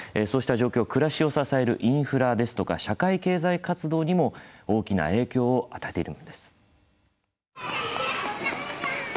そうした状況暮らしを支えるインフラですとか社会経済活動にも大きな影響を与えているんです。